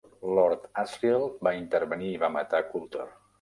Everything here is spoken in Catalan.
Lord Asriel va intervenir i va matar Coulter.